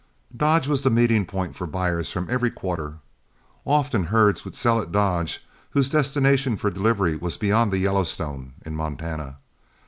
Dodge was the meeting point for buyers from every quarter. Often herds would sell at Dodge whose destination for delivery was beyond the Yellowstone in Montana.